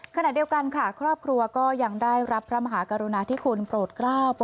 ขณะเดียวกันค่ะครอบครัวก็ยังได้รับพระมหากรุณาธิคุณโปรด๙